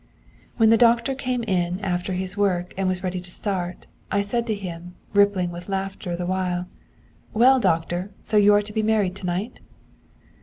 'When the doctor came in after his work and was ready to start, I said to him, rippling with laughter the while: "Well, doctor, so you are to be married to night?"